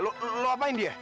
lu apain dia